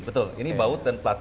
betul ini baut dan plat